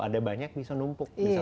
ada banyak bisa numpuk